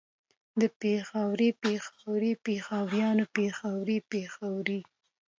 پېښوری پېښوري پېښوريان پېښورۍ پېښورې